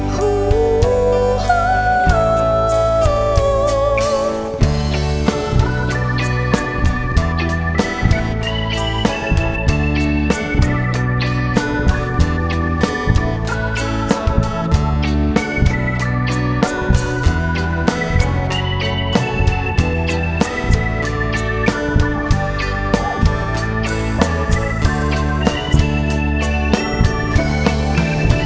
ฮ่าฮู้ฮู้